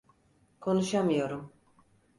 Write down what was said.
Konuşamıyorum.